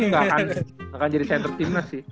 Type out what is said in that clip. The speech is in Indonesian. nggak akan jadi center timnas sih